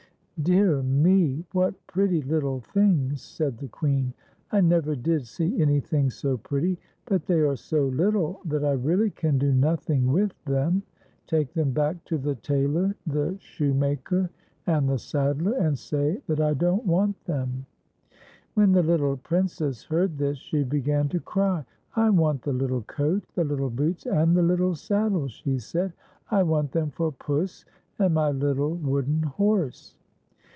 " Dear me, what pretty Httle things !" said the Queen. " I nev^er did see anything so pretty ; but they are so Httle that I really can do nothing with them. Take them back to the tailor, the shoemaker, and the saddler, and say that I don't want them." When the little Princess heard this she began to cry. "I want the little coat, the h'ttle boots, and the little saddle," she said ;" I want them for Puss and my little wooden horse."